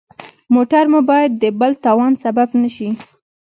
موټر مو باید د بل تاوان سبب نه شي.